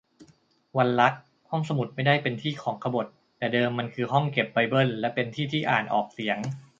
วันรัก : ห้องสมุดไม่ได้เป็นที่ของขบถ แต่เดิมมันคือห้องเก็บไบเบิ้ล และเป็นที่ที่อ่านออกเสียง